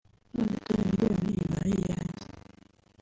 none dore miliyoni ibaye iyanjye